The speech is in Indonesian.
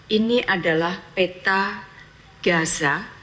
ini adalah peta gaza